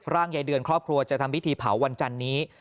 ยายเดือนครอบครัวจะทำพิธีเผาวันจันนี้